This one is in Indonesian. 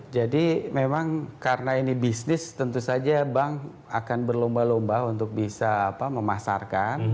jadi memang karena ini bisnis tentu saja bank akan berlomba lomba untuk bisa memasarkan